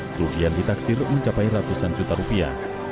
kerugian ditaksir mencapai ratusan juta rupiah